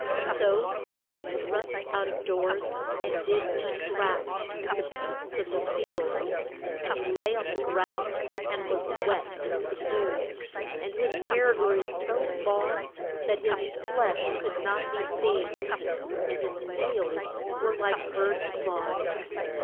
So he was thrust out of doors, and did eat grass with the beasts of the fields. And he lay on the ground, and was wet with the dews, and his hair grew so long that his flesh could not be seen, and his nails were like bird's claws.